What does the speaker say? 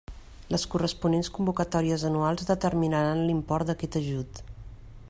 Les corresponents convocatòries anuals determinaran l'import d'aquest ajut.